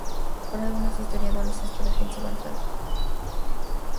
Para algunos historiadores, esta ofensiva entra dentro de la batalla de Madrid.